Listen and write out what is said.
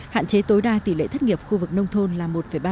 hạn chế tối đa tỷ lệ thất nghiệp khu vực nông thôn là một ba